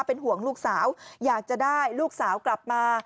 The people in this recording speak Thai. เป็นห่วงลูกสาวอยากจะได้ลูกสาวกลับมา